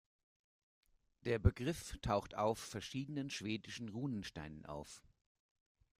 Der Begriff taucht auf verschiedenen schwedischen Runensteinen auf.